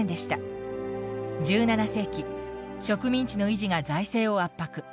１７世紀植民地の維持が財政を圧迫。